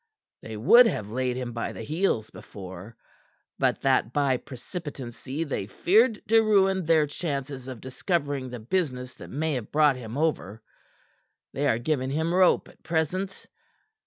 They would have laid him by the heels before, but that by precipitancy they feared to ruin their chances of discovering the business that may have brought him over. They are giving him rope at present.